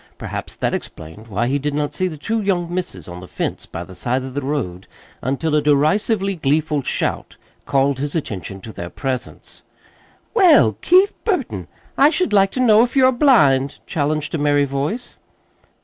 Perhaps that explained why he did not see the two young misses on the fence by the side of the road until a derisively gleeful shout called his attention to their presence. "Well, Keith Burton, I should like to know if you're blind!" challenged a merry voice.